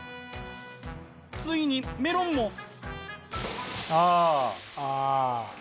ついにメロンも。